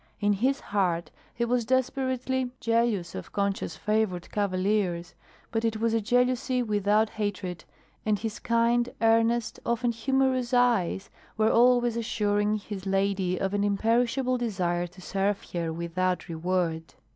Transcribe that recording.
In his heart he was desperately jealous of Concha's favored cavaliers, but it was a jealousy without hatred, and his kind, earnest, often humorous eyes, were always assuring his lady of an imperishable desire to serve her without reward.